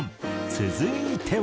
続いては。